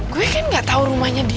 gue kan gak tau rumahnya diego